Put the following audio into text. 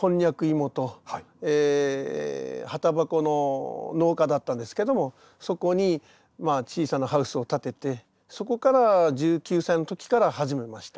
芋と葉タバコの農家だったんですけどもそこに小さなハウスを建ててそこから１９歳の時から始めました。